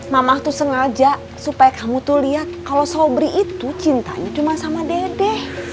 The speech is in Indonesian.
mamah tuh sengaja supaya kamu tuh lihat kalau sobri itu cintanya cuma sama dede